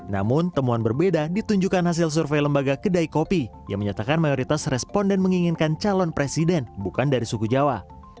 namun temuan berbeda ditunjukkan hasil survei lembaga kedai kopi yang menyatakan mayoritas responden menginginkan calon presiden bukan dari suku jawa